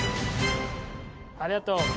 ありがとう。